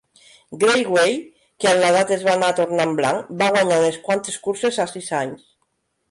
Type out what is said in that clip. Grey Way, que amb l'edat es va anar tornant blanc, va guanyar unes quantes curses a sis anys.